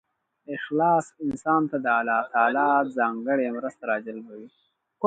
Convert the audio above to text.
اخلاص انسان ته د الله ځانګړې مرسته راجلبوي.